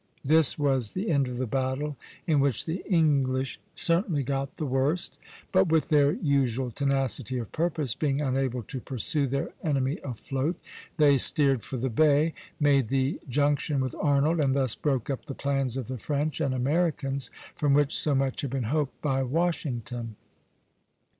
This was the end of the battle, in which the English certainly got the worst; but with their usual tenacity of purpose, being unable to pursue their enemy afloat, they steered for the bay (D), made the junction with Arnold, and thus broke up the plans of the French and Americans, from which so much had been hoped by Washington.